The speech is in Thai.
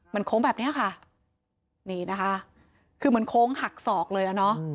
มันโค้งแบบเนี้ยค่ะนี่นะคะคือมันโค้งหักศอกเลยอ่ะเนอะ